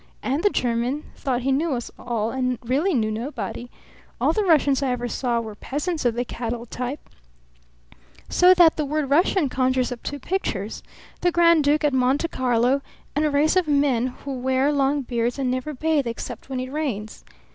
And the German thought he knew us all and really knew nobody. All the Russians I ever saw were peasants of the cattle type; so that the word Russian conjures up two pictures the grand duke at Monte Carlo and a race of men who wear long beards and never bathe except when it rains.